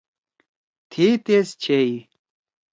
تِھئے تیس چِھیئی۔